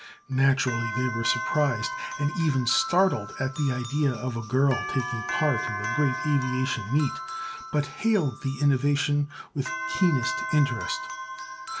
Naturally they were surprised and even startled at the idea of a girl taking part in the great aviation meet, but hailed the innovation with keenest interest.